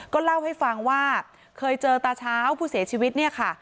ก็เล่าให้ฟังว่าเคยเจอตาเช้าผู้เสียชีวิตเนี่ยค่ะ